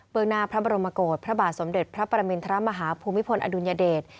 งหน้าพระบรมโกรธพระบาทสมเด็จพระปรมินทรมาฮาภูมิพลอดุลยเดช